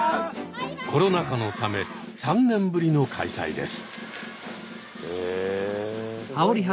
コロナ禍のため３年ぶりの開催です。